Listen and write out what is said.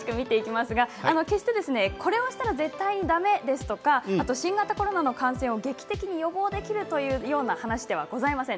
決してこれをしたら絶対にだめとか新型コロナの感染を劇的に予防できるというような話ではございません。